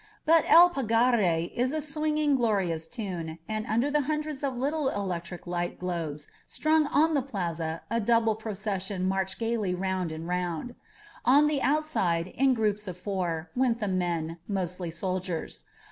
But ^^EU Pagare" is a swinging, glorious tune, and under tbe hundreds of little electric light globes strung on tbe plaza a double procession marched gaily round and round. On the outside, in groups of four, went the men, mostly soldiers.